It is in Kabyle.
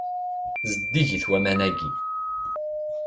Zeddigit waman-agi.